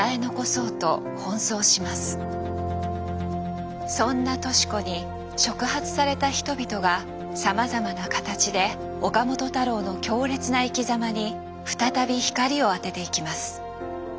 そんな敏子に触発された人々がさまざまな形で岡本太郎の強烈な生きざまに再び光を当てていきます。